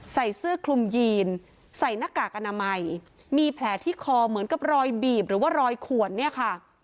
ใส่เสื้อคลุมยีนใส่หน้ากากอนามัยมีแผลที่คอเหมือนกับรอยบีบหรือว่ารอยขวนเนี่ยค่ะ